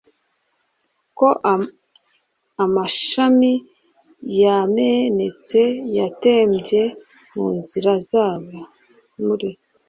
ko amashami yamenetse yatembye munzira zabo mr